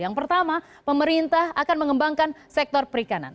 yang pertama pemerintah akan mengembangkan sektor perikanan